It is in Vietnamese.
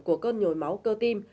của cơn nhồi máu cơ tim